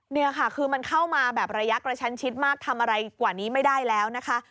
นี่ค่ะคือมันเข้ามาแบบระยะกระชั้นชิดมากทำอะไรกว่านี้ไม่ได้แล้วนะคะ